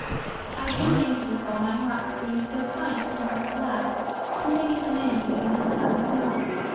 I do thank you with all my heart for being so kind to a homeless lad and taking him in and giving him a happy home.